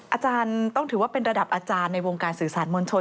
อาจารย์ต้องถือว่าเป็นระดับอาจารย์ในวงการสื่อสารมวลชน